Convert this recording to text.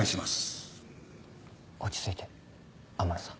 落ち着いて天野さん。